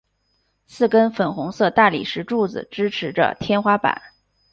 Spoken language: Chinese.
四根粉红色大理石柱子支持着天花板。